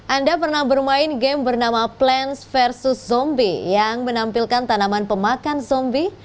anda pernah bermain game bernama plans versus zombie yang menampilkan tanaman pemakan zombie